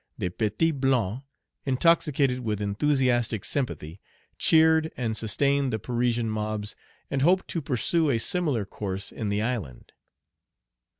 The petits blancs, intoxicated with enthusiastic sympathy, cheered and sustained the Parisian mobs, and hoped to pursue a similar course in the island.